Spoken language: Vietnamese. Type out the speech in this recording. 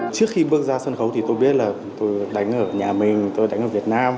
trước khi bước ra sân khấu thì tôi biết là tôi đánh ở nhà mình tôi đánh ở việt nam